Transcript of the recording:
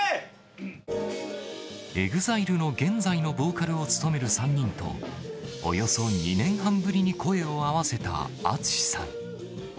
ＥＸＩＬＥの現在のボーカルを務める３人と、およそ２年半ぶりに声を合わせたＡＴＳＵＳＨＩさん。